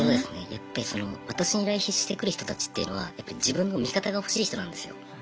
やっぱりその私に依頼してくる人たちっていうのはやっぱ自分の味方が欲しい人なんですよ。